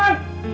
pak rahman ini